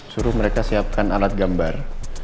suruh mereka siapkan alat gambar